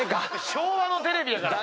昭和のテレビやから。